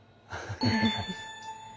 フフフフ。